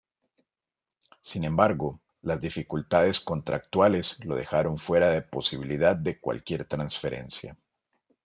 Sin embargo, las dificultades contractuales lo dejaron fuera de posibilidad de cualquier transferencia.